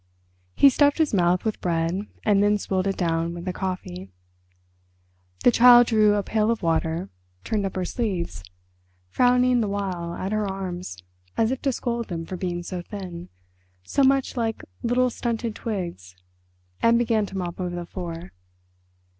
He stuffed his mouth with bread and then swilled it down with the coffee. The Child drew a pail of water, turned up her sleeves, frowning the while at her arms, as if to scold them for being so thin, so much like little stunted twigs, and began to mop over the floor.